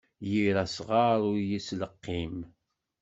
Yir asɣar ur yettleqqim.